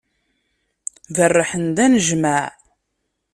Berrḥen-d anejmaε.